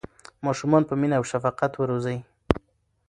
ماشومان په مینه او شفقت وروځئ.